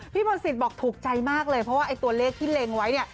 มนศิษย์บอกถูกใจมากเลยเพราะว่าไอ้ตัวเลขที่เล็งไว้เนี่ย